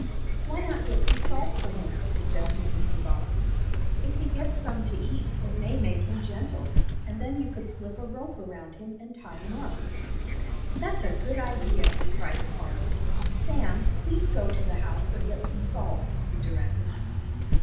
"Why not get some salt for him?" suggested Mr. Bobbsey. "If he gets some to eat it may make him gentle, and then you could slip a rope around him and tie him up." "That's a good idea!" cried the farmer. "Sam, please go to the house and get some salt," he directed.